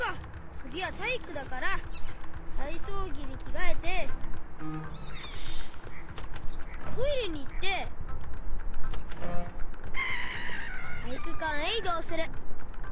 つぎはたいいくだからたいそうぎにきがえてトイレにいってたいいくかんへいどうする。